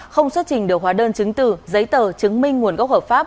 không xuất trình được hóa đơn chứng từ giấy tờ chứng minh nguồn gốc hợp pháp